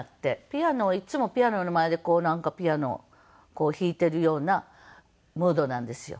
ピアノをいつもピアノの前でこうなんかピアノを弾いているようなムードなんですよ。